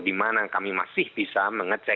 di mana kami masih bisa mengecek